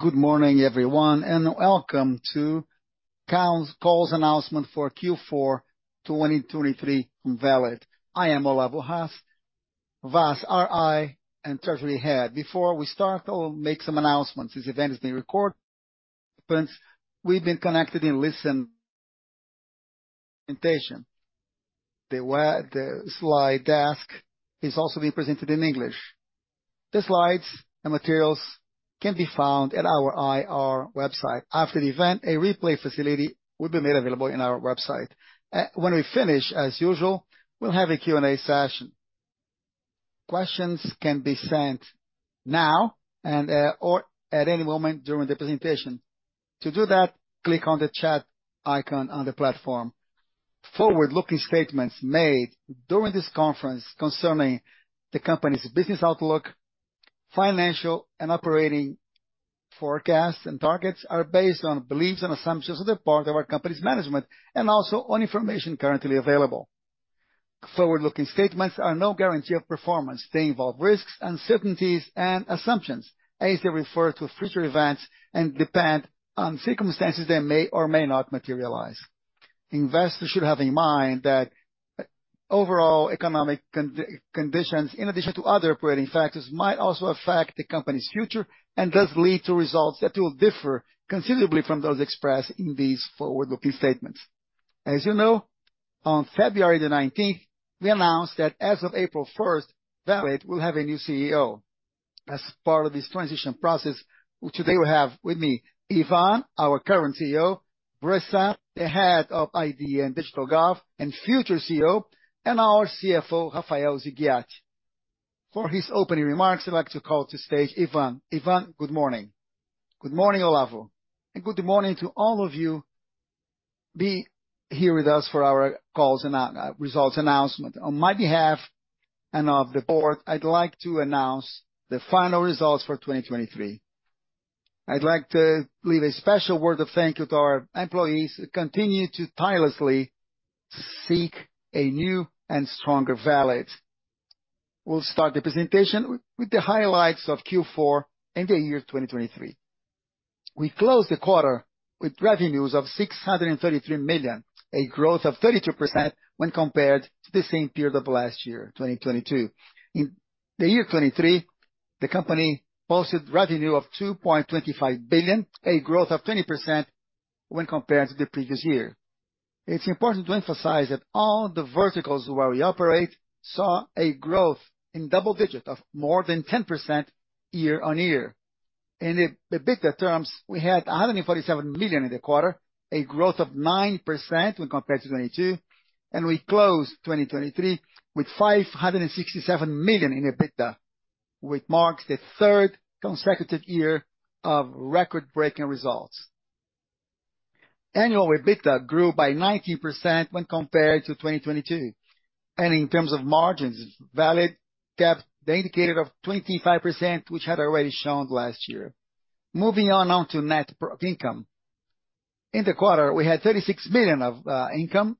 Good morning, everyone, and welcome to the conference call announcement for Q4 2023 from Valid. I am Olavo Vaz, RI and treasury head. Before we start, I'll make some announcements. This event is being recorded, but if you've been connected and to listen to the presentation. The slide deck is also being presented in English. The slides and materials can be found at our IR website. After the event, a replay facility will be made available in our website. When we finish, as usual, we'll have a Q&A session. Questions can be sent now and or at any moment during the presentation. To do that, click on the chat icon on the platform. Forward-looking statements made during this conference concerning the company's business outlook, financial and operating forecasts and targets, are based on beliefs and assumptions on the part of our company's management, and also on information currently available. Forward-looking statements are no guarantee of performance. They involve risks, uncertainties, and assumptions as they refer to future events and depend on circumstances that may or may not materialize. Investors should have in mind that overall economic conditions, in addition to other operating factors, might also affect the company's future, and does lead to results that will differ considerably from those expressed in these forward-looking statements. As you know, on February the 19th, we announced that as of April 1st, Valid will have a new CEO. As part of this transition process, today we have with me, Ivan, our current CEO, Bressan, the Head of ID and Digital Gov, and future CEO, and our CFO, Rafael Ziggiatti. For his opening remarks, I'd like to call to stage Ivan. Ivan, good morning. Good morning, Olavo, and good morning to all of you be here with us for our Q4 results announcement. On my behalf and of the board, I'd like to announce the final results for 2023. I'd like to leave a special word of thank you to our employees, who continue to tirelessly seek a new and stronger Valid. We'll start the presentation with the highlights of Q4 and the year 2023. We closed the quarter with revenues of 633 million, a growth of 32% when compared to the same period of last year, 2022. In the year 2023, the company posted revenue of 2.25 billion, a growth of 20% when compared to the previous year. It's important to emphasize that all the verticals where we operate saw a growth in double digit of more than 10% year-on-year. In EBITDA terms, we had 147 million in the quarter, a growth of 9% when compared to 2022, and we closed 2023 with 567 million in EBITDA, which marks the third consecutive year of record-breaking results. Annual EBITDA grew by 19% when compared to 2022, and in terms of margins, Valid kept the indicator of 25%, which had already shown last year. Moving on now to net income. In the quarter, we had 36 million of income,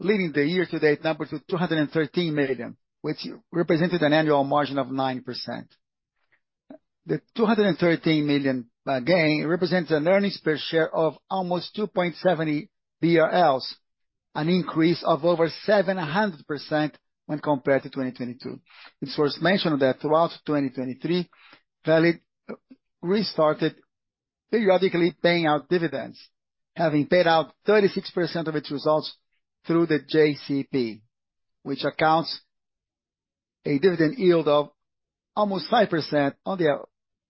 leading the year-to-date number to 213 million, which represented an annual margin of 9%. The 213 million, again, represents an earnings per share of almost 2.7 BRL, an increase of over 700% when compared to 2022. It's worth mentioning that throughout 2023, Valid restarted periodically paying out dividends, having paid out 36% of its results through the JCP, which accounts a dividend yield of almost 5% on the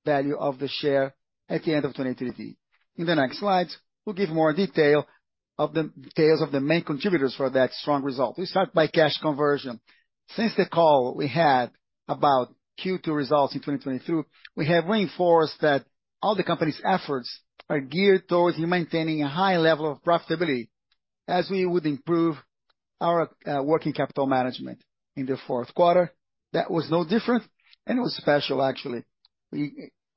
value of the share at the end of 2023. In the next slides, we'll give more details of the main contributors for that strong result. We start by cash conversion. Since the call we had about Q2 results in 2022, we have reinforced that all the company's efforts are geared towards maintaining a high level of profitability, as we would improve our working capital management. In the fourth quarter, that was no different, and it was special, actually.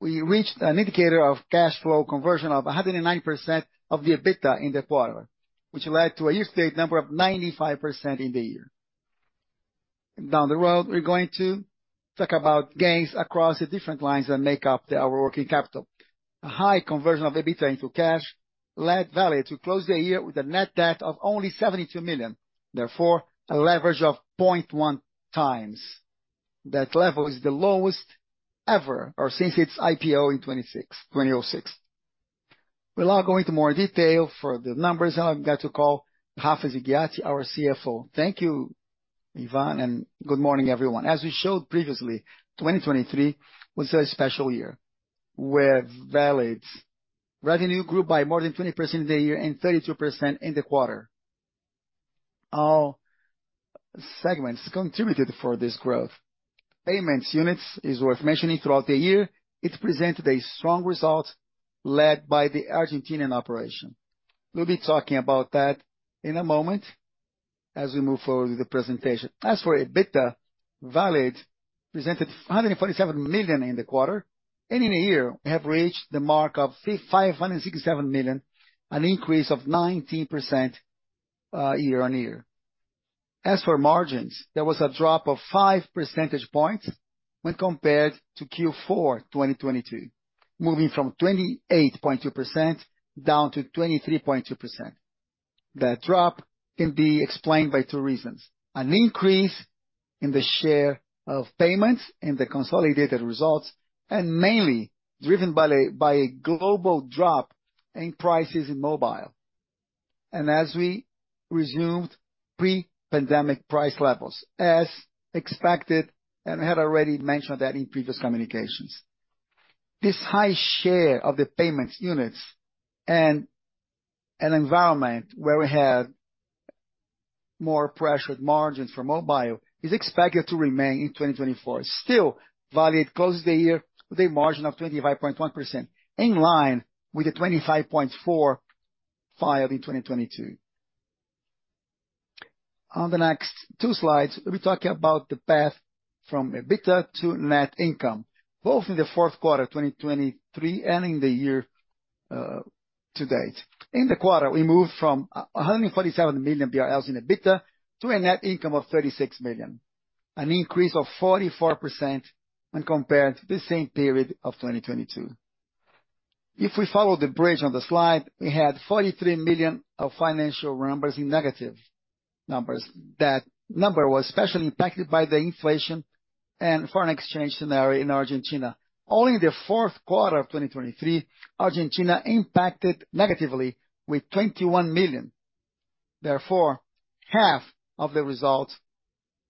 We reached an indicator of cash flow conversion of 109% of the EBITDA in the quarter, which led to a year-to-date number of 95% in the year. Down the road, we're going to talk about gains across the different lines that make up our working capital. A high conversion of EBITDA into cash led Valid to close the year with a net debt of only 72 million, therefore a leverage of 0.1x. That level is the lowest ever or since its IPO in 2006. We'll now go into more detail for the numbers. I'll get to call Rafael Ziggiatti, our CFO. Thank you, Ivan, and good morning, everyone. As we showed previously, 2023 was a special year, where Valid's revenue grew by more than 20% in the year and 32% in the quarter. All segments contributed for this growth. Payments units, is worth mentioning throughout the year, it presented a strong result led by the Argentinian operation. We'll be talking about that in a moment as we move forward with the presentation. As for EBITDA, Valid presented 147 million in the quarter, and in a year we have reached the mark of five hundred and sixty-seven million, an increase of 19%, year-on-year. As for margins, there was a drop of five percentage points when compared to Q4, 2022, moving from 28.2% down to 23.2%. That drop can be explained by two reasons: an increase in the share of payments in the consolidated results, and mainly driven by a global drop in prices in mobile. As we resumed pre-pandemic price levels, as expected, and had already mentioned that in previous communications. This high share of the payments units and an environment where we have more pressured margins for mobile, is expected to remain in 2024. Still, Valid closed the year with a margin of 25.1%, in line with the 25.4 filed in 2022. On the next two slides, let me talk about the path from EBITDA to net income, both in the fourth quarter 2023, and in the year to date. In the quarter, we moved from 147 million BRL in EBITDA to a net income of 36 million, an increase of 44% when compared to the same period of 2022. If we follow the bridge on the slide, we had 43 million of financial numbers in negative numbers. That number was especially impacted by the inflation and foreign exchange scenario in Argentina. Only in the fourth quarter of 2023, Argentina impacted negatively with 21 million, therefore, half of the results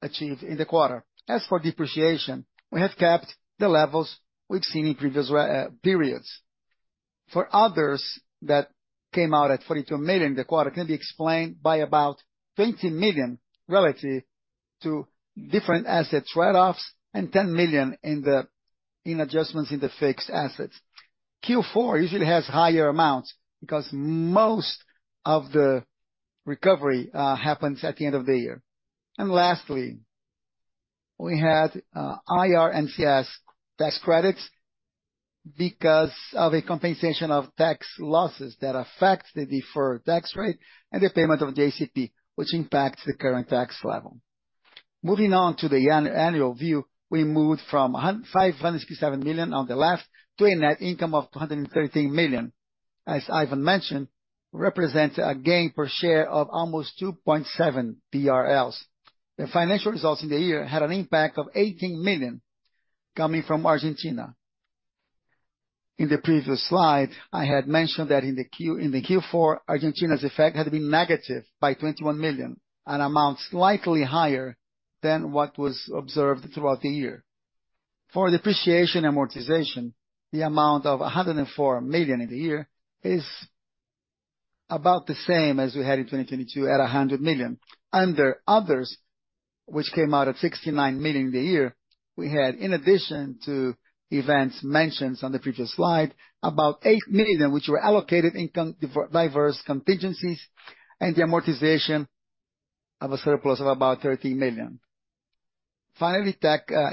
achieved in the quarter. As for depreciation, we have kept the levels we've seen in previous periods. For others, that came out at 42 million in the quarter, can be explained by about 20 million relative to different assets write-offs and 10 million in the adjustments in the fixed assets. Q4 usually has higher amounts because most of the recovery happens at the end of the year. And lastly, we had ICMS tax credits because of a compensation of tax losses that affect the deferred tax rate and the payment of the JCP, which impacts the current tax level. Moving on to the annual view, we moved from 567 million on the left, to a net income of 213 million. As Ivan mentioned, represent a gain per share of almost 2.7 BRL. The financial results in the year had an impact of 18 million coming from Argentina. In the previous slide, I had mentioned that in the Q4, Argentina's effect had been negative by 21 million, an amount slightly higher than what was observed throughout the year. For depreciation amortization, the amount of 104 million in the year is about the same as we had in 2022 at 100 million. Under others, which came out at 69 million in the year, we had, in addition to events mentioned on the previous slide, about 8 million, which were allocated income diverse contingencies and the amortization of a surplus of about 13 million. Finally,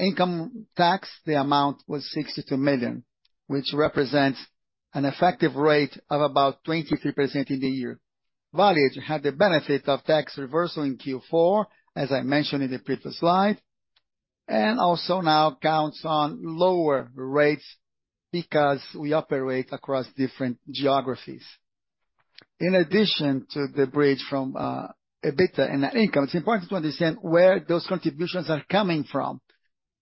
income tax, the amount was 62 million, which represents an effective rate of about 23% in the year. Valid had the benefit of tax reversal in Q4, as I mentioned in the previous slide, and also now counts on lower rates because we operate across different geographies. In addition to the bridge from EBITDA and net income, it's important to understand where those contributions are coming from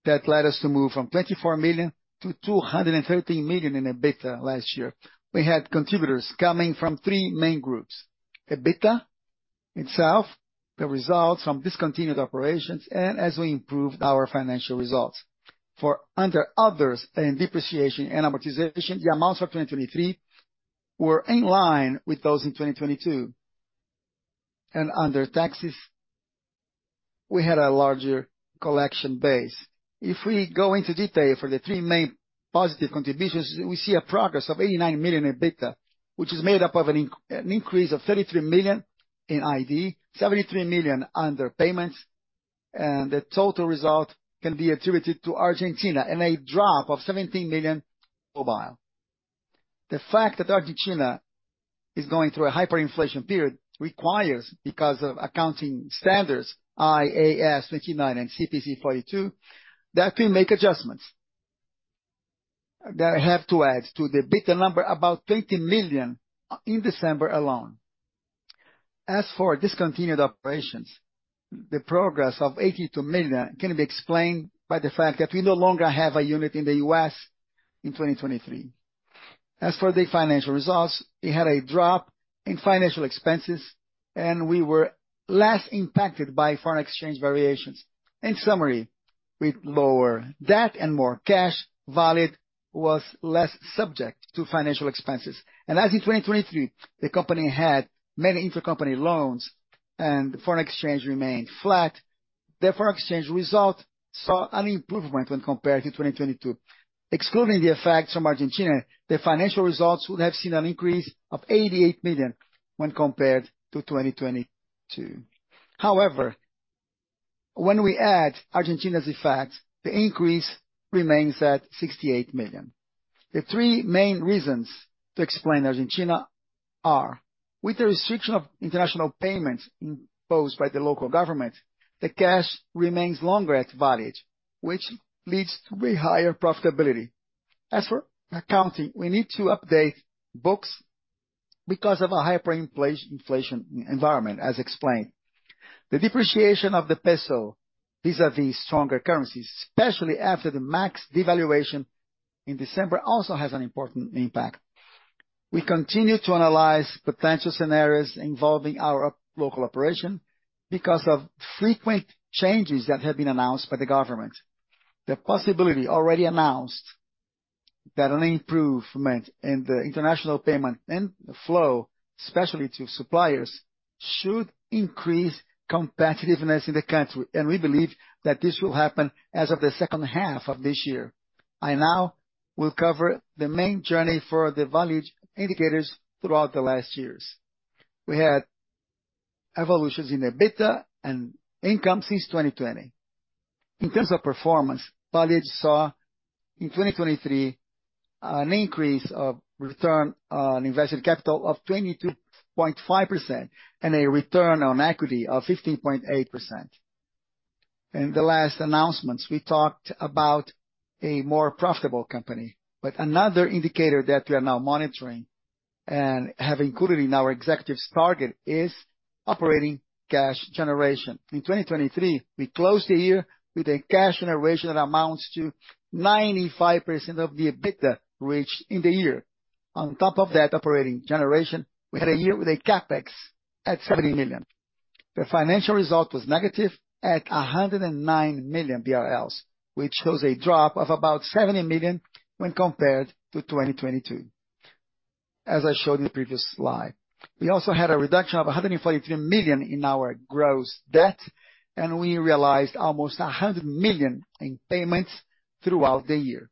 that led us to move from 24 million to 213 million in EBITDA last year. We had contributors coming from three main groups: EBITDA itself, the results from discontinued operations, and as we improved our financial results. For other expenses and depreciation and amortization, the amounts for 2023 were in line with those in 2022. Under taxes, we had a larger collection base. If we go into detail for the three main positive contributions, we see a progress of 89 million in EBITDA, which is made up of an increase of 33 million in ID, 73 million under payments, and the total result can be attributed to Argentina and a drop of 17 million mobile. The fact that Argentina is going through a hyperinflation period requires, because of accounting standards, IAS 29 and CPC 42, that we make adjustments. That I have to add to the EBITDA number, about 20 million in December alone. As for discontinued operations, the progress of 82 million can be explained by the fact that we no longer have a unit in the U.S. in 2023. As for the financial results, we had a drop in financial expenses, and we were less impacted by foreign exchange variations. In summary, with lower debt and more cash, Valid was less subject to financial expenses. And as in 2023, the company had many intercompany loans and foreign exchange remained flat. The foreign exchange result saw an improvement when compared to 2022. Excluding the effects from Argentina, the financial results would have seen an increase of 88 million when compared to 2022. However, when we add Argentina's effect, the increase remains at 68 million. The three main reasons to explain Argentina are: with the restriction of international payments imposed by the local government, the cash remains longer at Valid, which leads to a higher profitability. As for accounting, we need to update books because of a hyperinflationary environment, as explained. The depreciation of the peso, vis-à-vis stronger currencies, especially after the max devaluation in December, also has an important impact. We continue to analyze potential scenarios involving our local operation because of frequent changes that have been announced by the government. The possibility already announced that an improvement in the international payment and flow, especially to suppliers, should increase competitiveness in the country, and we believe that this will happen as of the second half of this year. I now will cover the main journey for the Valid indicators throughout the last years. We had evolutions in the EBITDA and income since 2020. In terms of performance, Valid saw, in 2023, an increase of return on invested capital of 22.5% and a return on equity of 15.8%. In the last announcements, we talked about a more profitable company, but another indicator that we are now monitoring and have included in our executives target is operating cash generation. In 2023, we closed the year with a cash generation that amounts to 95% of the EBITDA reached in the year. On top of that operating generation, we had a year with a CapEx at 70 million. The financial result was negative at 109 million BRL, which shows a drop of about 70 million when compared to 2022, as I showed in the previous slide. We also had a reduction of 143 million in our gross debt, and we realized almost 100 million in payments throughout the year,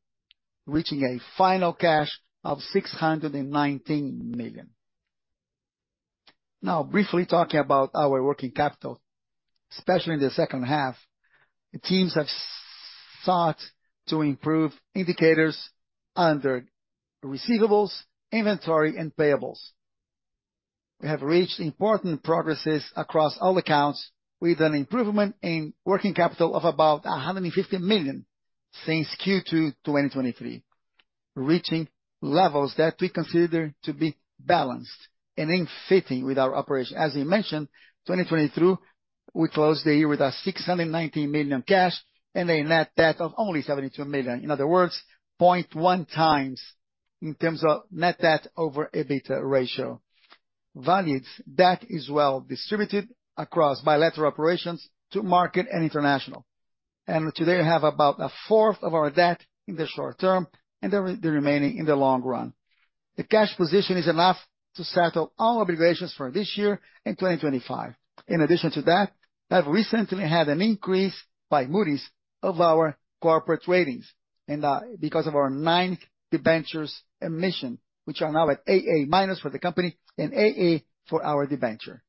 reaching a final cash of 619 million. Now, briefly talking about our working capital, especially in the second half, the teams have sought to improve indicators under receivables, inventory and payables. We have reached important progresses across all accounts, with an improvement in working capital of about 150 million since Q2 2023, reaching levels that we consider to be balanced and in fitting with our operation. As I mentioned, 2022, we closed the year with 619 million cash and a net debt of only 72 million. In other words, 0.1x in terms of net debt over EBITDA ratio. Valid's debt is well distributed across bilateral operations to market and international, and today I have about a fourth of our debt in the short term and the remaining in the long run. The cash position is enough to settle all obligations for this year and 2025. In addition to that, I've recently had an increase by Moody's of our corporate ratings, and because of our ninth debentures emission, which are now at AA- for the company and AA for our debenture.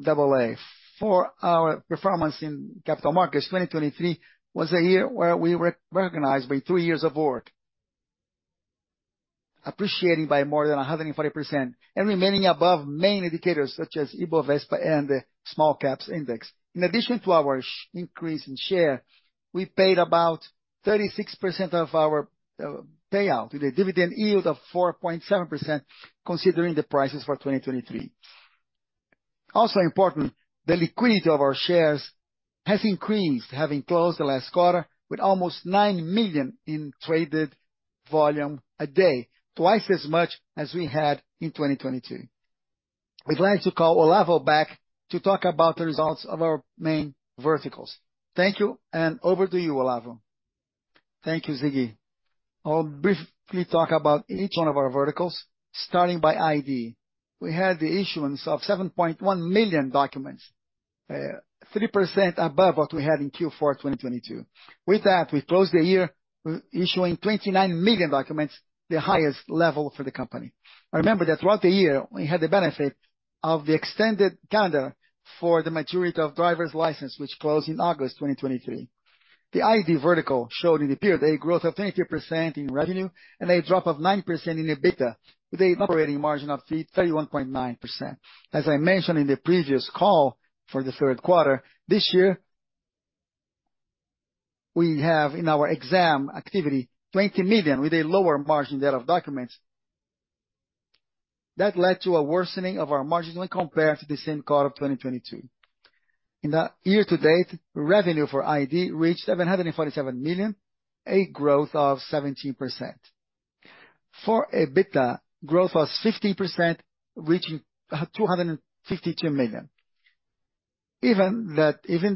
Double A. For our performance in capital markets, 2023 was a year where we were recognized by three years of work, appreciating by more than 140% and remaining above main indicators such as Ibovespa and the Small Caps index. In addition to our share increase, we paid about 36% of our payout with a dividend yield of 4.7%, considering the prices for 2023. Also important, the liquidity of our shares has increased, having closed the last quarter with almost 9 million in traded volume a day, twice as much as we had in 2022. We'd like to call Olavo back to talk about the results of our main verticals. Thank you, and over to you, Olavo. Thank you, Ziggi. I'll briefly talk about each one of our verticals, starting by ID. We had the issuance of 7.1 million documents, 3% above what we had in Q4 2022. With that, we closed the year issuing 29 million documents, the highest level for the company. I remember that throughout the year, we had the benefit of the extended calendar for the majority of driver's license, which closed in August 2023. The ID vertical showed in the period a growth of 23% in revenue and a drop of 9% in EBITDA, with a operating margin of 31.9%. As I mentioned in the previous call for the third quarter, this year, we have in our exam activity, 20 million, with a lower margin there of documents. That led to a worsening of our margins when compared to the same quarter of 2022. In the year-to-date, revenue for ID reached 747 million, a growth of 17%. For EBITDA, growth was 15%, reaching two hundred and fifty-two million. Even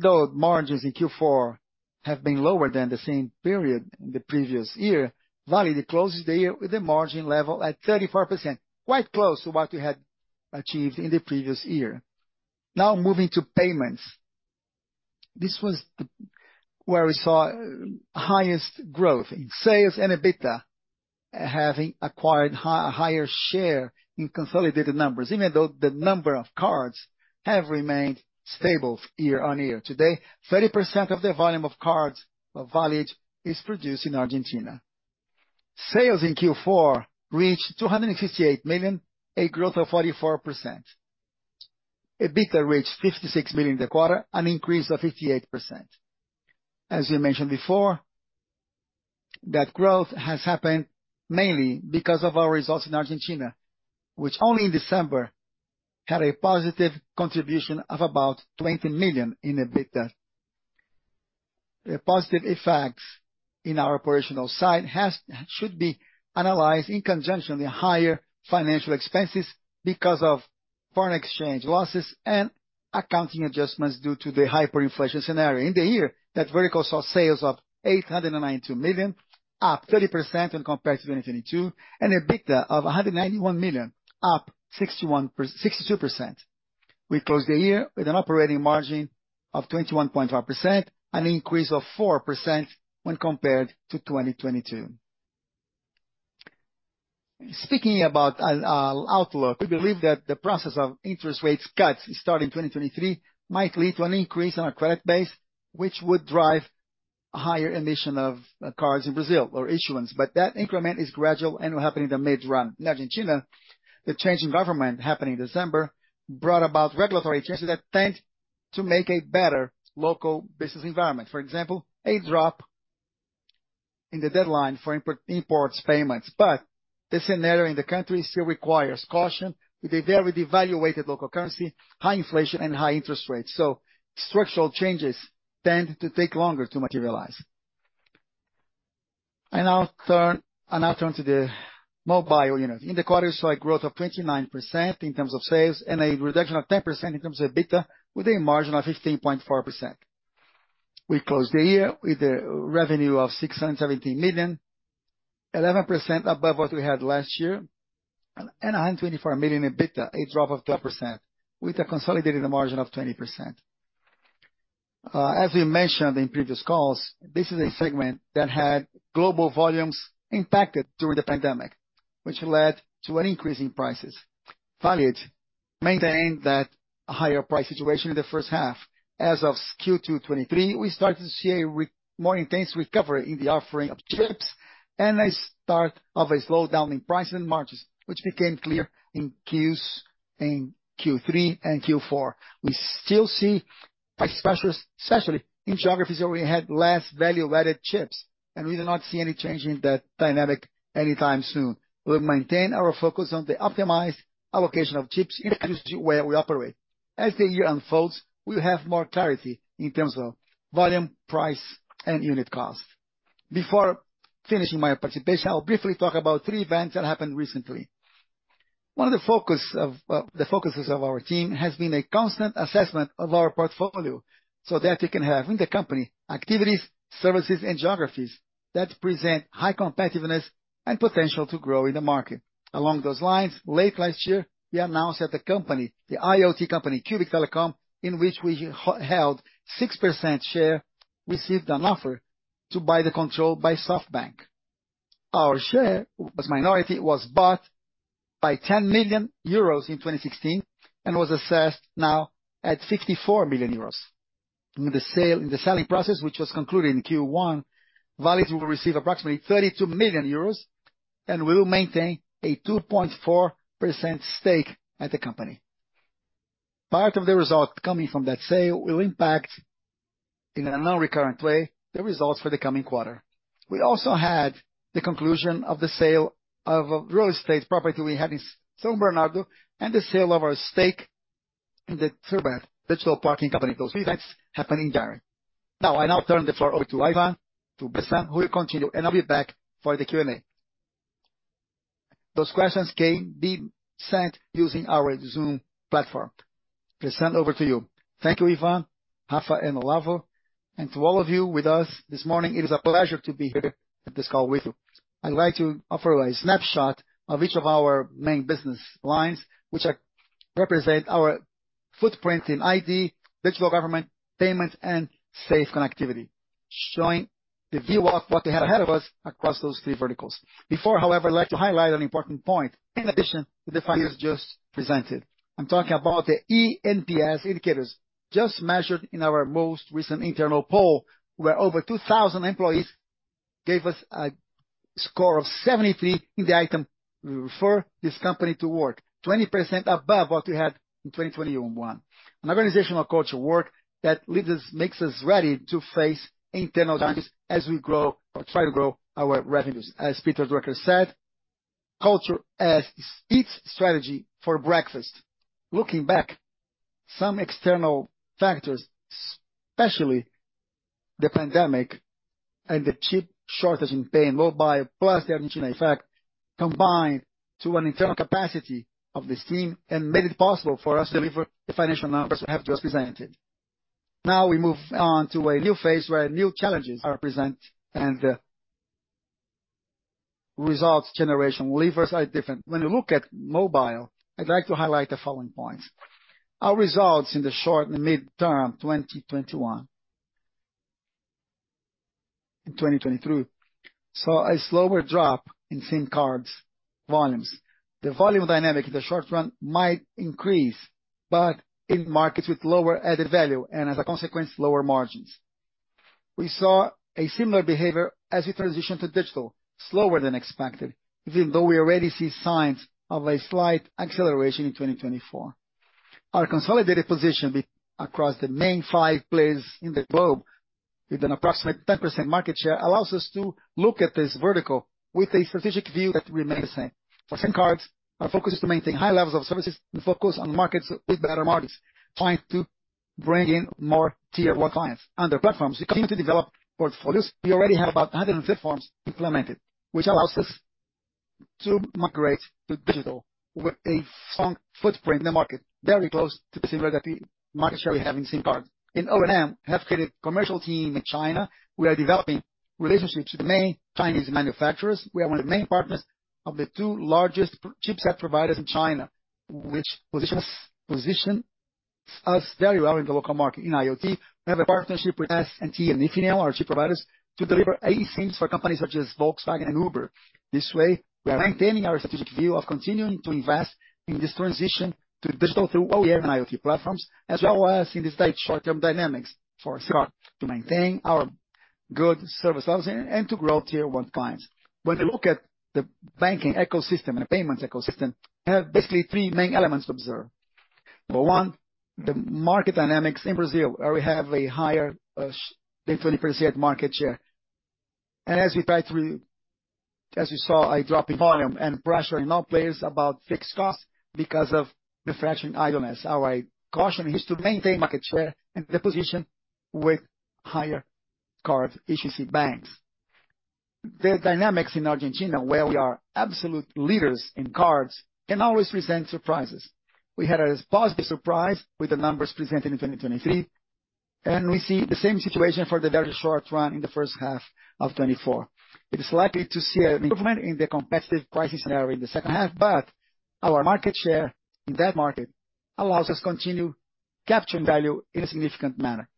though margins in Q4 have been lower than the same period in the previous year, Valid closes the year with a margin level at 34%, quite close to what we had achieved in the previous year. Now, moving to payments. This was where we saw highest growth in sales and EBITDA, having acquired a higher share in consolidated numbers, even though the number of cards have remained stable year-on-year. Today, 30% of the volume of cards of Valid is produced in Argentina. Sales in Q4 reached 258 million, a growth of 44%. EBITDA reached 56 million in the quarter, an increase of 58%. As we mentioned before, that growth has happened mainly because of our results in Argentina, which only in December had a positive contribution of about 20 million in EBITDA. The positive effects in our operational side should be analyzed in conjunction with higher financial expenses because of foreign exchange losses and accounting adjustments due to the hyperinflation scenario. In the year, that vertical saw sales of 892 million, up 30% when compared to 2022, and EBITDA of 191 million, up 62%. We closed the year with an operating margin of 21.5%, an increase of 4% when compared to 2022. Speaking about outlook, we believe that the process of interest rates cuts starting in 2023 might lead to an increase in our credit base, which would drive a higher emission of cards in Brazil or issuance, but that increment is gradual and will happen in the mid-run. In Argentina, the change in government happened in December, brought about regulatory changes that tend to make a better local business environment. For example, a drop in the deadline for import, imports payments. But the scenario in the country still requires caution with a very devalued local currency, high inflation, and high interest rates, so structural changes tend to take longer to materialize. I now turn to the mobile unit. In the quarter, we saw a growth of 29% in terms of sales, and a reduction of 10% in terms of EBITDA, with a margin of 15.4%. We closed the year with a revenue of 617 million, 11% above what we had last year, and a hundred and twenty-four million in EBITDA, a drop of 12%, with a consolidated margin of 20%. As we mentioned in previous calls, this is a segment that had global volumes impacted during the pandemic, which led to an increase in prices. Valid maintained that higher price situation in the first half. As of Q2 2023, we started to see a more intense recovery in the offering of chips, and a start of a slowdown in pricing and margins, which became clear in Q3 and Q4. We still see price pressures, especially in geographies where we had less value-added chips, and we do not see any change in that dynamic anytime soon. We'll maintain our focus on the optimized allocation of chips in where we operate. As the year unfolds, we'll have more clarity in terms of volume, price, and unit cost. Before finishing my participation, I'll briefly talk about three events that happened recently. One of the focus of, the focuses of our team, has been a constant assessment of our portfolio, so that we can have in the company, activities, services, and geographies that present high competitiveness and potential to grow in the market. Along those lines, late last year, we announced that the company, the IoT company, Cubic Telecom, in which we held 6% share, received an offer to buy the control by SoftBank. Our share, as minority, was bought by 10 million euros in 2016, and was assessed now at 54 million euros. In the sale - in the selling process, which was concluded in Q1, Valid will receive approximately 32 million euros, and we will maintain a 2.4% stake at the company. Part of the result coming from that sale will impact, in a non-recurrent way, the results for the coming quarter. We also had the conclusion of the sale of a real estate property we had in São Bernardo, and the sale of our stake in the Urbano, digital parking company. Those three events happened in January. Now, I turn the floor over to Ivan, to Bressan, who will continue, and I'll be back for the Q&A. Those questions can be sent using our Zoom platform. Bressan, over to you. Thank you, Ivan, Rafa, and Olavo, and to all of you with us this morning, it is a pleasure to be here at this call with you. I'd like to offer a snapshot of each of our main business lines, which represent our footprint in ID, digital government, payments, and safe connectivity, showing the view of what we have ahead of us across those three verticals. Before, however, I'd like to highlight an important point in addition to the figures just presented. I'm talking about the ENPS indicators, just measured in our most recent internal poll, where over 2,000 employees gave us a score of 73 in the item, "For this company to work," 20% above what we had in 2021. An organizational culture work that makes us ready to face internal challenges as we grow or try to grow our revenues. As Peter Drucker said, "Culture eats strategy for breakfast." Looking back, some external factors, especially the pandemic and the chip shortage in pay and mobile, plus the Argentina effect, combined to an internal capacity of this team, and made it possible for us to deliver the financial numbers we have just presented. Now, we move on to a new phase where new challenges are present, and results generation levers are different. When you look at mobile, I'd like to highlight the following points. Our results in the short and mid-term, 2021, in 2023, saw a slower drop in SIM cards volumes. The volume dynamic in the short run might increase, but in markets with lower added value, and as a consequence, lower margins. We saw a similar behavior as we transition to digital, slower than expected, even though we already see signs of a slight acceleration in 2024. Our consolidated position across the main five players in the globe, with an approximate 10% market share, allows us to look at this vertical with a strategic view that remains the same. For SIM cards, our focus is to maintain high levels of services and focus on markets with better margins, trying to bring in more Tier One clients. Under platforms, we continue to develop portfolios. We already have about 100 platforms implemented, which allows us to migrate to digital with a strong footprint in the market, very close to the similar that the market share we have in SIM cards. In OEM, have created commercial team in China. We are developing relationships with the main Chinese manufacturers. We are one of the main partners of the two largest chipset providers in China, which positions us very well in the local market. In IoT, we have a partnership with S&T and Infineon, our chip providers, to deliver eSIMs for companies such as Volkswagen and Uber. This way, we are maintaining our strategic view of continuing to invest in this transition to digital through OEM and IoT platforms, as well as in the state short-term dynamics for SIM cards, to maintain our good service levels and to grow Tier One clients. When we look at the banking ecosystem and the payments ecosystem, we have basically three main elements to observe. Number one, the market dynamics in Brazil, where we have a higher than 20% market share. As you saw, a drop in volume and pressure in all players about fixed costs because of the fraction idleness. Our caution is to maintain market share and the position with higher card issuing banks. The dynamics in Argentina, where we are absolute leaders in cards, can always present surprises. We had a positive surprise with the numbers presented in 2023, and we see the same situation for the very short run in the first half of 2024. It is likely to see an improvement in the competitive pricing scenario in the second half, but our market share in that market allows us to continue capturing value in a significant manner.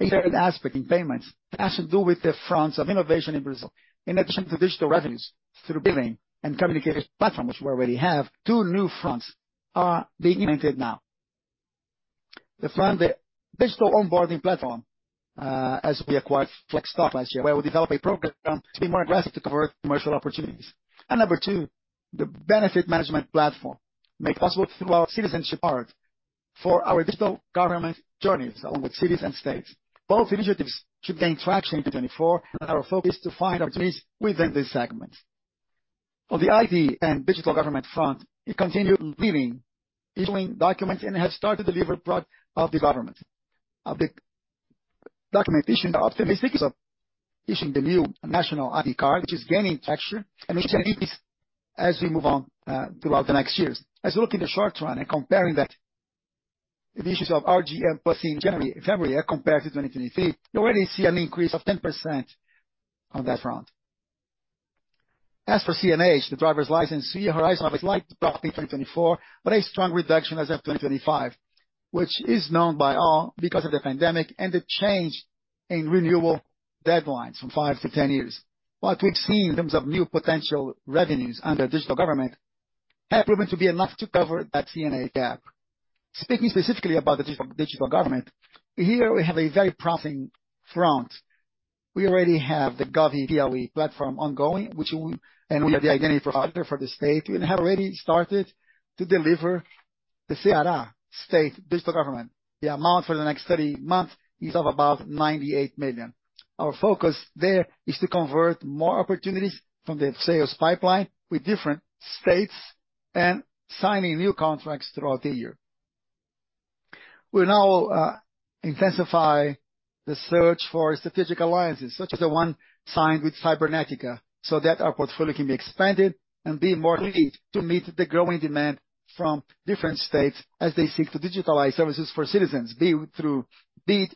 A third aspect in payments, has to do with the fronts of innovation in Brazil. In addition to digital revenues through billing and communication platform, which we already have, two new fronts are being implemented now. The front, the digital onboarding platform, as we acquired Flexdoc last year, where we developed a program to be more aggressive to cover commercial opportunities. And number two, the benefit management platform, made possible through our citizenship card for our digital government journeys, along with cities and states. Both initiatives should gain traction in 2024, and our focus to find opportunities within these segments. On the ID and digital government front, it continued leading issuing documents and has started to deliver part of the government, of the document issuing. We are optimistic of issuing the new national ID card, which is gaining traction, and which will increase as we move on, throughout the next years. As we look in the short run and comparing that the issues of RG+ in January, February, compared to 2023, we already see an increase of 10% on that front. As for CNH, the driver's license, we see a horizon of a slight drop in 2024, but a strong reduction as of 2025, which is known by all because of the pandemic and the change in renewable deadlines from 5-10 years. What we've seen in terms of new potential revenues under digital government, have proven to be enough to cover that CNH gap. Speaking specifically about the digital government, here we have a very promising front. We already have the Gov.br platform ongoing, and we have the identity product for the state, and have already started to deliver the Ceará State Digital Government. The amount for the next 30 months is of about 98 million. Our focus there is to convert more opportunities from the sales pipeline with different states and signing new contracts throughout the year. We now intensify the search for strategic alliances, such as the one signed with Cybernetica, so that our portfolio can be expanded and be more complete to meet the growing demand from different states as they seek to digitalize services for citizens, be it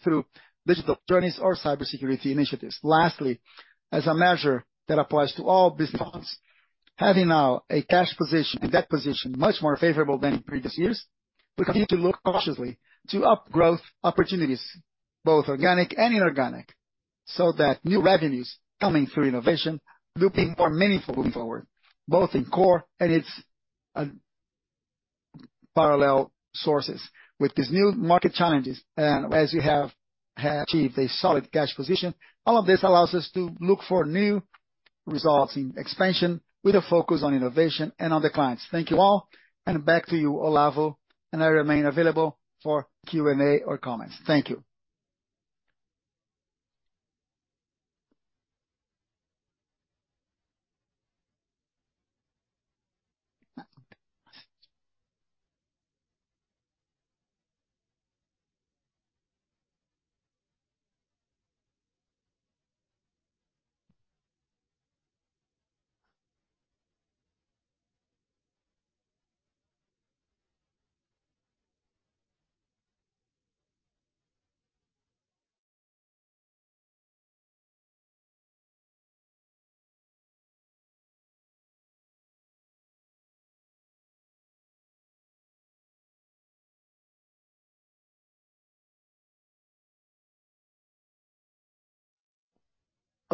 through digital journeys or cybersecurity initiatives. Lastly, as a measure that applies to all businesses, having now a cash position and debt position much more favorable than in previous years, we continue to look cautiously to up growth opportunities, both organic and inorganic, so that new revenues coming through innovation will be more meaningful moving forward, both in core and its parallel sources. With these new market challenges, and as you have achieved a solid cash position, all of this allows us to look for new results in expansion with a focus on innovation and on the clients. Thank you all, and back to you, Olavo, and I remain available for Q&A or comments. Thank you.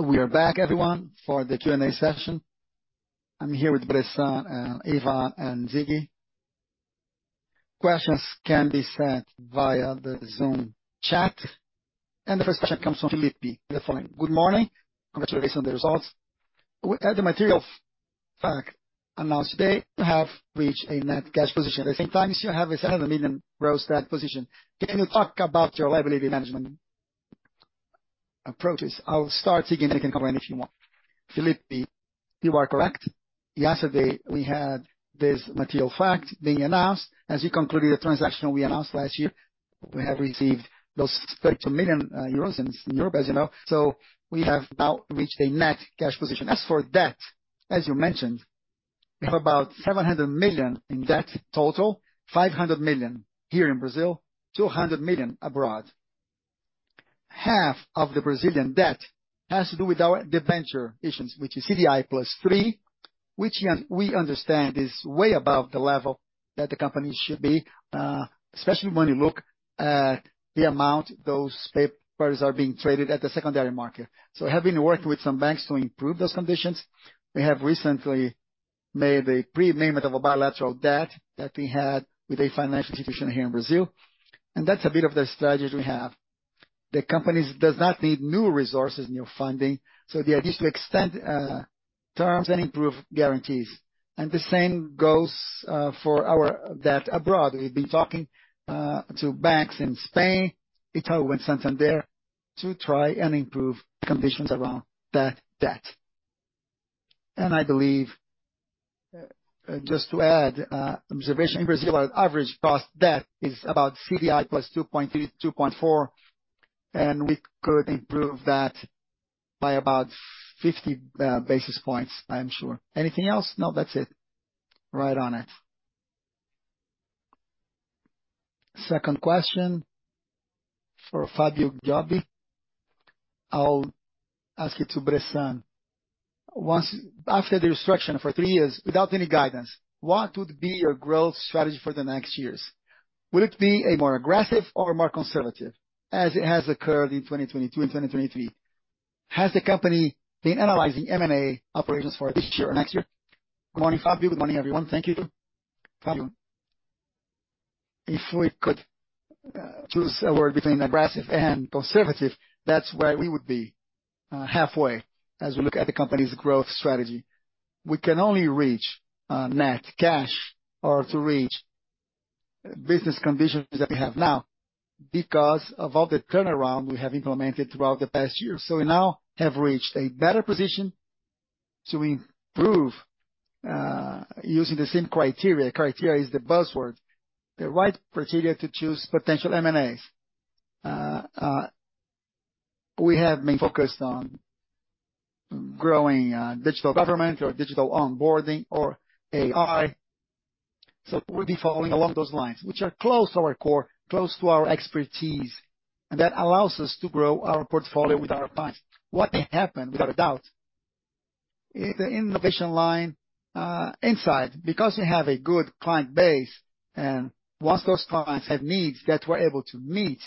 We are back, everyone, for the Q&A session. I'm here with Bressan and Ivan and Ziggi. Questions can be sent via the Zoom chat, and the first question comes from Felipe, the following: Good morning. Congratulations on the results. With the material fact announced today, you have reached a net cash position. At the same time, you have a 700 million gross debt position. Can you talk about your liability management approaches? I'll start, Ziggi, and you can come in if you want. Felipe, you are correct. Yesterday, we had this material fact being announced. As we concluded the transaction we announced last year, we have received those 32 million euros in Europe, as you know, so we have now reached a net cash position. As for debt, as you mentioned, we have about 700 million in debt total, 500 million here in Brazil, 200 million abroad. Half of the Brazilian debt has to do with our debenture issuance, which is CDI plus 3, which we understand is way above the level that the company should be, especially when you look at the amount those papers are being traded at the secondary market. So we have been working with some banks to improve those conditions. We have recently made a prepayment of a bilateral debt that we had with a financial institution here in Brazil, and that's a bit of the strategy we have. The company does not need new resources, new funding, so the idea is to extend, terms and improve guarantees. And the same goes for our debt abroad. We've been talking to banks in Spain, Italy, and Santander, to try and improve conditions around that debt. I believe, just to add observation, in Brazil, our average cost debt is about CDI plus 2.3-2.4, and we could improve that by about 50 basis points, I am sure. Anything else? No, that's it. Right on it. Second question, for Fábio Jubé. I'll ask it to Bressan. After the restructure for three years, without any guidance, what would be your growth strategy for the next years? Will it be a more aggressive or more conservative, as it has occurred in 2022 and 2023? Has the company been analyzing M&A operations for this year or next year? Good morning, Fábio. Good morning, everyone. Thank you. Fábio. If we could choose a word between aggressive and conservative, that's where we would be, halfway, as we look at the company's growth strategy. We can only reach net cash or to reach business conditions that we have now because of all the turnaround we have implemented throughout the past year. We now have reached a better position to improve, using the same criteria. Criteria is the buzzword, the right criteria to choose potential M&As. We have been focused on growing digital government or digital onboarding or AI. We'll be following along those lines, which are close to our core, close to our expertise, and that allows us to grow our portfolio with our clients. What happened, without a doubt, is the innovation line, inside, because we have a good client base, and once those clients have needs that we're able to meet,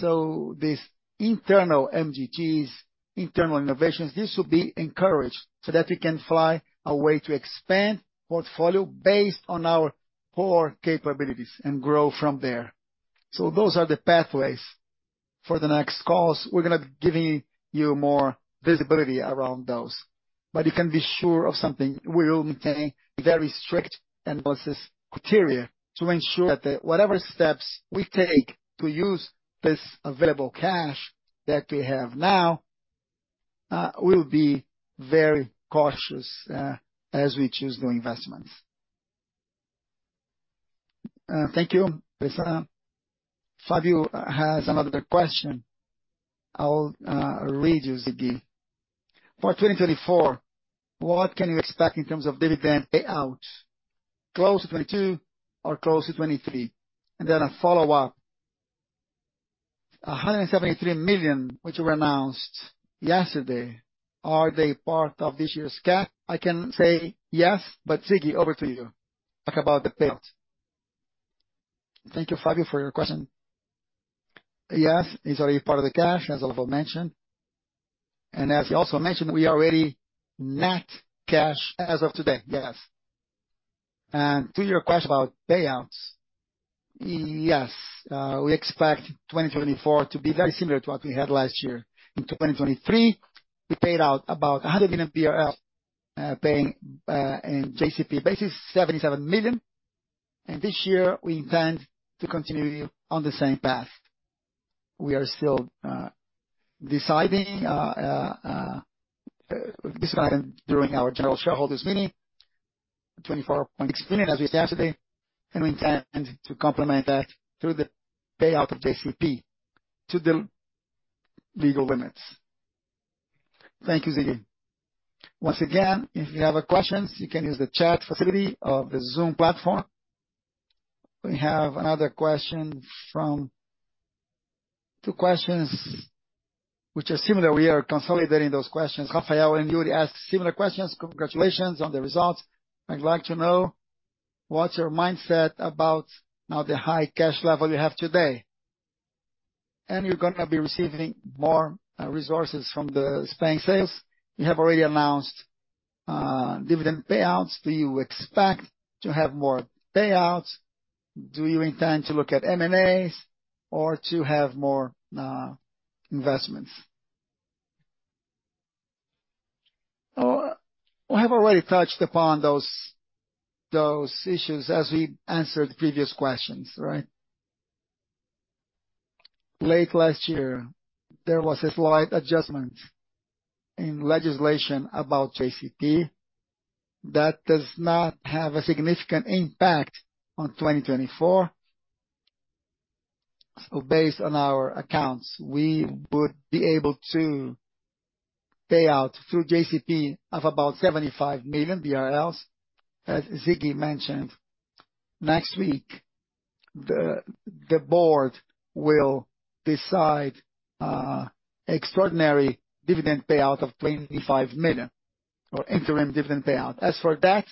so these internal MGTs, internal innovations, this will be encouraged so that we can fly our way to expand portfolio based on our core capabilities and grow from there. So those are the pathways. For the next calls, we're gonna be giving you more visibility around those, but you can be sure of something: We will maintain very strict analysis criteria to ensure that whatever steps we take to use this available cash that we have now, will be very cautious, as we choose new investments. Thank you, Bressan. Fábio has another question. I'll read you, Ziggiatti. For 2024, what can you expect in terms of dividend payout? Close to 2022 or close to 2023? And then a follow-up, 173 million, which were announced yesterday, are they part of this year's cash? I can say yes, but Ziggiatti, over to you. Talk about the payout. Thank you, Fábio, for your question. Yes, it's already part of the cash, as Olavo mentioned. And as you also mentioned, we are already net cash as of today. Yes. And to your question about payouts, yes, we expect 2024 to be very similar to what we had last year. In 2023, we paid out about 100 million, paying in JCP basis, 77 million, and this year, we intend to continue on the same path. We are still deciding during our general shareholders meeting, 24.6 billion, as we said yesterday, and we intend to complement that through the payout of JCP to the legal limits. Thank you, Ziggiatti. Once again, if you have a questions, you can use the chat facility of the Zoom platform. We have another question from two questions, which are similar. We are consolidating those questions. Rafael and Yuri asked similar questions: Congratulations on the results. I'd like to know, what's your mindset about now the high cash level you have today? And you're gonna be receiving more resources from the Spain sales. You have already announced dividend payouts. Do you expect to have more payouts? Do you intend to look at MNAs or to have more investments? We have already touched upon those issues as we answered previous questions, right? Late last year, there was a slight adjustment in legislation about JCP. That does not have a significant impact on 2024. So based on our accounts, we would be able to pay out through JCP of about 75 million BRL. As Ziggi mentioned, next week, the board will decide extraordinary dividend payout of 25 million, or interim dividend payout. As for that,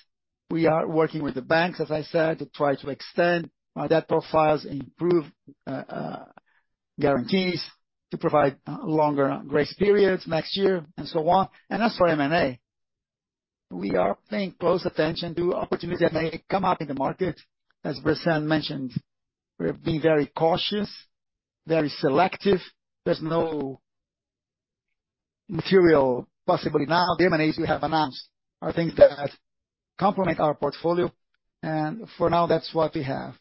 we are working with the banks, as I said, to try to extend our debt profiles, improve guarantees, to provide longer grace periods next year, and so on. As for M&A, we are paying close attention to opportunities that may come up in the market. As Bressan mentioned, we're being very cautious, very selective. There's no material possibility now. The M&As we have announced are things that complement our portfolio, and for now, that's what we have.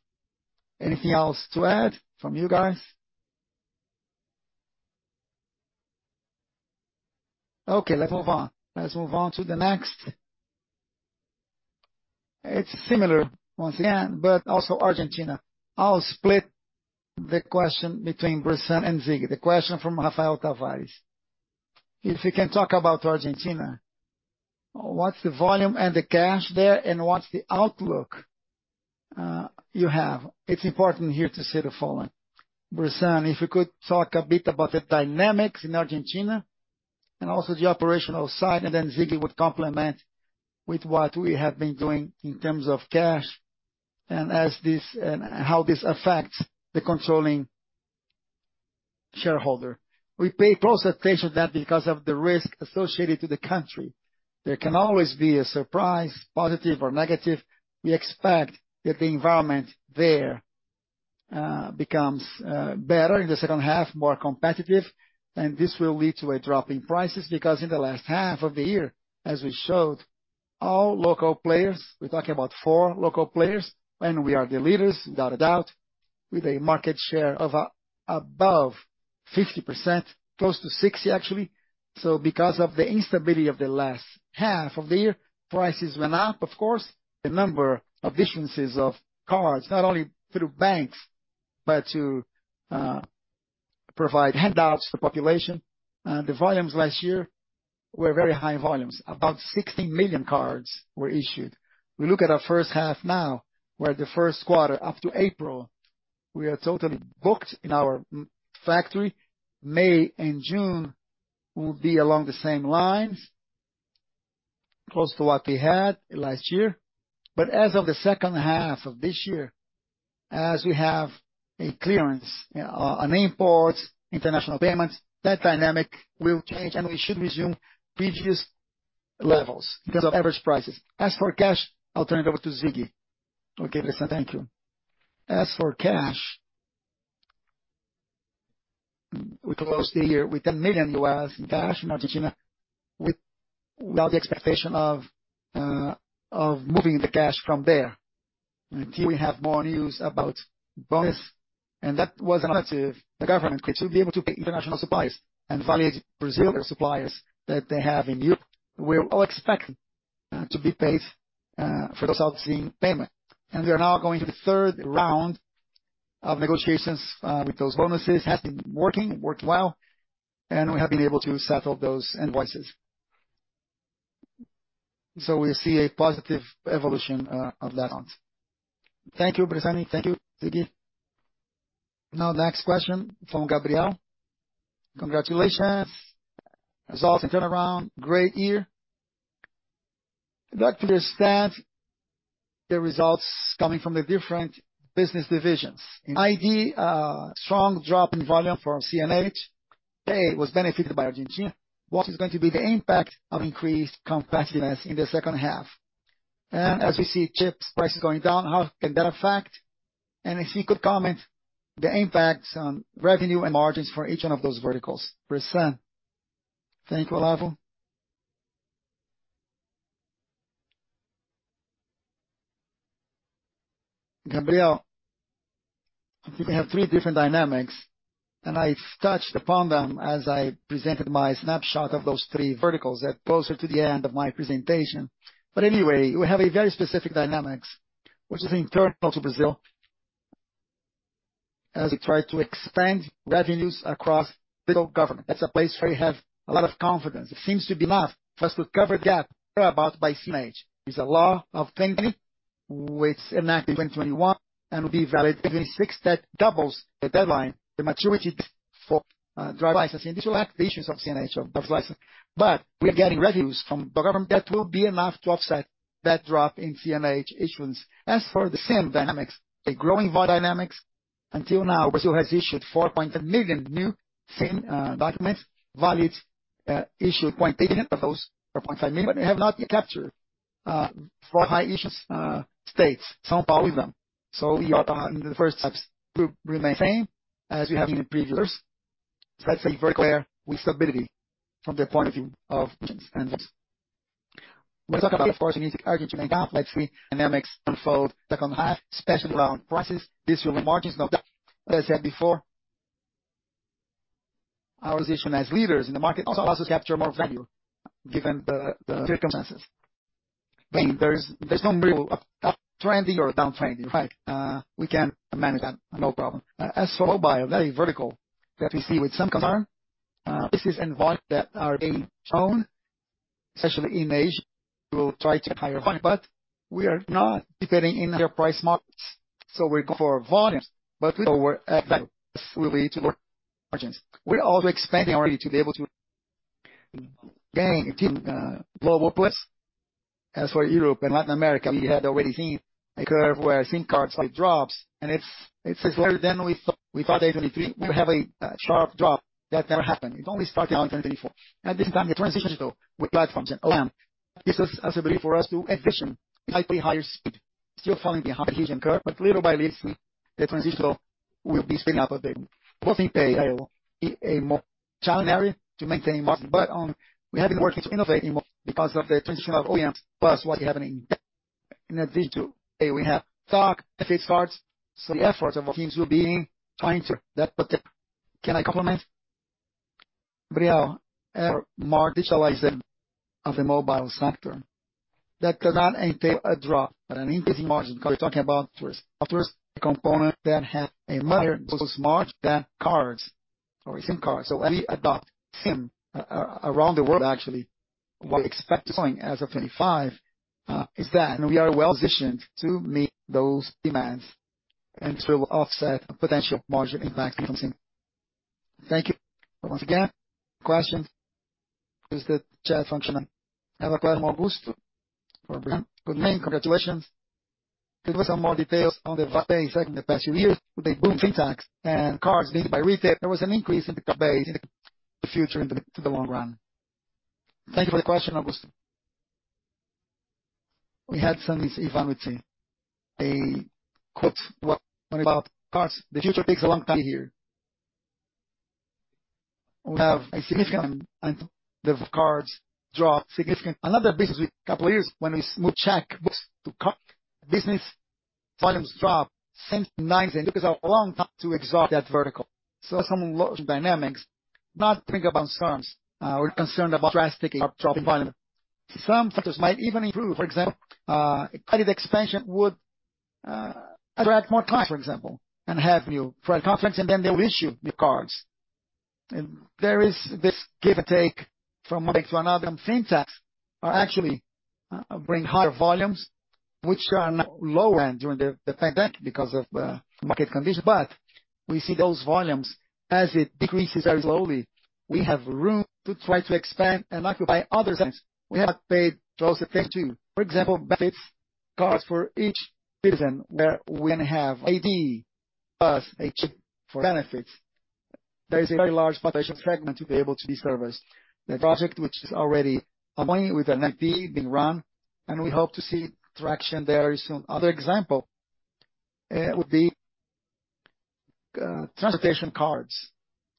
Anything else to add from you guys? Okay, let's move on. Let's move on to the next. It's similar, once again, but also Argentina. I'll split the question between Bressan and Ziggi. The question from Rafael Tavares: If you can talk about Argentina, what's the volume and the cash there, and what's the outlook you have? It's important here to say the following. Bressan, if you could talk a bit about the dynamics in Argentina and also the operational side, and then Ziggi would complement with what we have been doing in terms of cash, and as this—and how this affects the controlling shareholder. We pay close attention to that because of the risk associated to the country. There can always be a surprise, positive or negative. We expect that the environment there becomes better in the second half, more competitive, and this will lead to a drop in prices, because in the last half of the year, as we showed, all local players, we're talking about four local players, and we are the leaders, without a doubt, with a market share above 50%, close to 60, actually. So because of the instability of the last half of the year, prices went up, of course. The number of issuances of cards, not only through banks, but to provide handouts to the population, the volumes last year were very high volumes. About 16 million cards were issued. We look at our first half now, where the first quarter up to April, we are totally booked in our factory. May and June will be along the same lines, close to what we had last year. But as of the second half of this year, as we have a clearance on imports, international payments, that dynamic will change, and we should resume previous levels because of average prices. As for cash, I'll turn it over to Ziggiatti. Okay, Bressan, thank you. As for cash, we closed the year with $10 million in Argentina, without the expectation of moving the cash from there. Until we have more news about bonus, and that was an alternative the government could still be able to pay international suppliers and validate Brazilian suppliers that they have in view. We all expect to be paid for those outstanding payment. And we are now going to the third round of negotiations with those bonuses, has been working, worked well, and we have been able to settle those invoices. So we see a positive evolution of that one. Thank you, Bressan. Thank you, Ziggiatti. Now, next question from Gabriel. Congratulations. Results and turnaround, great year. I'd like to understand the results coming from the different business divisions. In ID, strong drop in volume from CNH, ID was benefited by Argentina. What is going to be the impact of increased competitiveness in the second half? And as we see chips prices going down, how can that affect? And if you could comment the impact on revenue and margins for each one of those verticals. Bressan. Thank you, Olavo. Gabriel, we have three different dynamics, and I touched upon them as I presented my snapshot of those three verticals that closer to the end of my presentation. But anyway, we have a very specific dynamics, which is in terms of Brazil. As we try to expand revenues across digital government, that's a place where we have a lot of confidence. It seems to be enough for us to cover the gap created by CNH. It's a law of 20, which enacted in 2021, and will be valid in 2060, doubles the deadline, the maturity for driver licensing. This will affect the issuance of CNH of driver's license, but we are getting revenues from the government that will be enough to offset that drop in CNH issuance. As for the same dynamics, a growing volume dynamics, until now, Brazil has issued 4.8 million new SIM documents. Valid issued 0.8 of those or 0.5 million, but they have not been captured for high issues states, São Paulo with them. So we are in the first place, we remain same as we have in the previous years. So that's very clear with stability from the point of view of issuance and use. When we talk about, of course, we need to wait and see dynamics unfold in the second half, especially around prices. This will margins, as I said before, our position as leaders in the market also allows us to capture more value, given the circumstances. I mean, there's no real uptrending or downtrending, right? We can manage that, no problem. As for mobile, very vertical, we have to see with some concern this evolution that is being shown, especially in Asia. We will try to get higher volume, but we are not competing in their price markets, so we're going for volumes, but we know what that will do to margins. We're also expanding our ability to be able to gain global plays. As for Europe and Latin America, we had already seen a curve where SIM cards like drops, and it's lower than we thought. We thought that 2023, we would have a sharp drop. That never happened. It only started out in 2024. At the same time, the transition, though, with platforms and OEM, this is also a lever for us to be efficient, likely higher speed, still falling behind the Asian curve, but little by little, the transition will be spinning up a bit. We think a more challenging area to maintain margin, but we have been working to innovate in more because of the transition of OEMs, plus what's happening in V2, we have talk, FX cards. The efforts of our teams will be trying to that. Can I complement? Brielle, more digitalizing of the mobile sector. That does not entail a drop, but an increase in margin, because we're talking about first, first component that has a margin, those margin than cards or a SIM card. We adopt SIM around the world, actually, what we expect to join as of 2025 is that we are well positioned to meet those demands, and this will offset potential margin impact from SIM. Thank you. Once again, questions, use the chat function. I have acquired more boost for Brielle. Good morning. Congratulations. Give us some more details on the in the past few years, with the boom in FinTech and cards being by retail, there was an increase in the base in the future, in the to the long run. Thank you for the question, Augusto. We had some Ivan with a quote about cards. "The future takes a long time to be here." We have a significant and, and the cards drop significant. Another business with a couple of years when we move check books to card, business volumes dropped since 2019, because a long time to exhaust that vertical. So some logic dynamics, not think about terms, we're concerned about drastic drop in volume. Some factors might even improve. For example, credit expansion would attract more time, for example, and have new credit confidence, and then they will issue new cards. There is this give and take from one to another, and FinTech are actually bringing higher volumes, which are now lower than during the pandemic because of market conditions. But we see those volumes, as it decreases very slowly, we have room to try to expand and occupy other zones. We have not paid close attention to, for example, benefits cards for each citizen, where when you have ID plus HP for benefits, there is a very large potential fragment to be able to be serviced. The project, which is already ongoing with an MP being run, and we hope to see traction there soon. Another example would be transportation cards.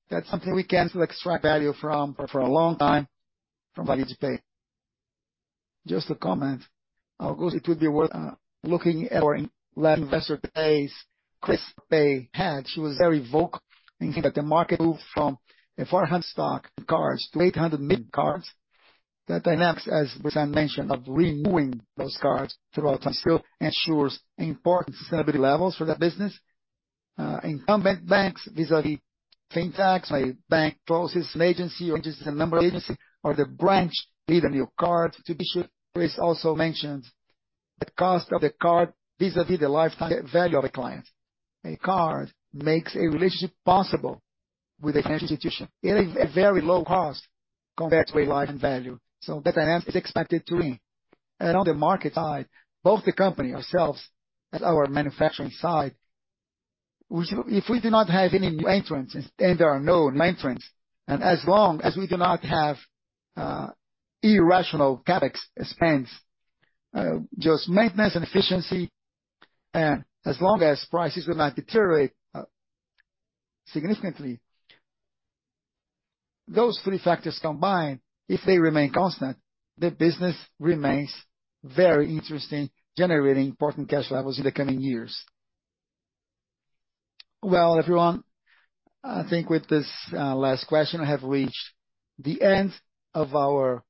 That's something we can still extract value from for a long time, from Valid Pay. Just to comment, Augusto, it would be worth looking at our last investor base, Chris Bay, had. She was very vocal in saying that the market moved from 400 stock cards to 800 million cards. That dynamics, as I mentioned, of renewing those cards throughout time still ensures important sustainability levels for that business. Incumbent banks, vis-à-vis FinTech, my bank closes an agency or just a number agency or the branch, need a new card to be issued. Chris also mentioned the cost of the card vis-à-vis the lifetime value of a client. A card makes a relationship possible with a financial institution. It is a very low cost compared to a lifetime value, so that is expected to win. On the market side, both the company, ourselves, as our manufacturing side, which if we do not have any new entrants, and there are no new entrants, and as long as we do not have, irrational CapEx spends, just maintenance and efficiency, and as long as prices do not deteriorate, significantly, those three factors combined, if they remain constant, the business remains very interesting, generating important cash levels in the coming years. Well, everyone, I think with this, last question, I have reached the end of our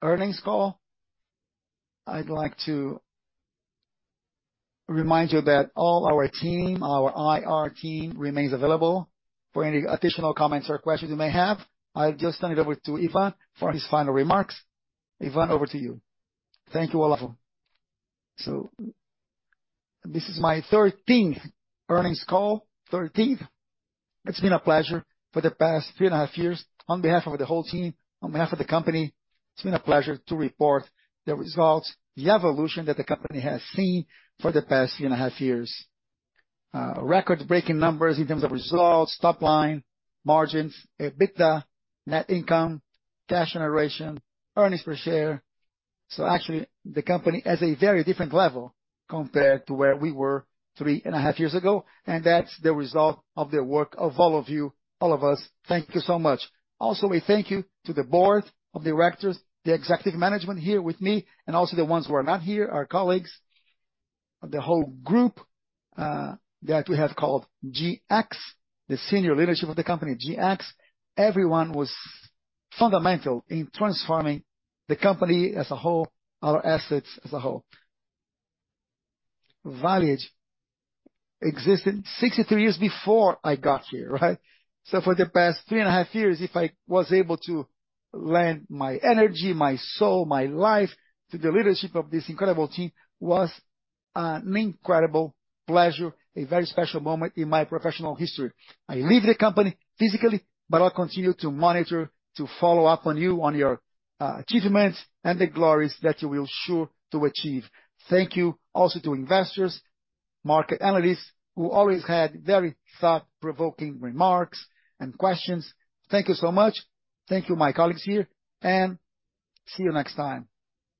earnings call. I'd like to remind you that all our team, our IR team, remains available for any additional comments or questions you may have. I'll just turn it over to Ivan for his final remarks. Ivan, over to you. Thank you, Olavo. So this is my thirteenth earnings call. Thirteenth! It's been a pleasure for the past three and a half years. On behalf of the whole team, on behalf of the company, it's been a pleasure to report the results, the evolution that the company has seen for the past three and a half years. Record-breaking numbers in terms of results, top line, margins, EBITDA, net income, cash generation, earnings per share. So actually, the company is at a very different level compared to where we were three and a half years ago, and that's the result of the work of all of you, all of us. Thank you so much. Also, a thank you to the board of directors, the executive management here with me, and also the ones who are not here, our colleagues, the whole group, that we have called GX, the senior leadership of the company, GX. Everyone was fundamental in transforming the company as a whole, our assets as a whole. Valid existed 63 years before I got here, right? So for the past 3.5 years, if I was able to lend my energy, my soul, my life to the leadership of this incredible team, was an incredible pleasure, a very special moment in my professional history. I leave the company physically, but I'll continue to monitor, to follow up on you, on your achievements and the glories that you will sure to achieve. Thank you also to investors, market analysts, who always had very thought-provoking remarks and questions. Thank you so much. Thank you, my colleagues here, and see you next time.